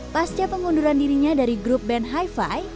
pasca pengunduran dirinya dari grup band hi fi